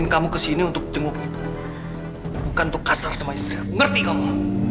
jangan ikut capur usaha keluarga kamu